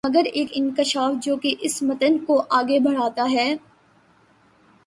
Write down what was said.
مگر ایک انکشاف جو کہ اس متن کو آگے بڑھاتا ہے